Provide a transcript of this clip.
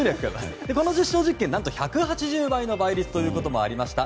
この実証実験何と１８０倍の倍率ということもありました。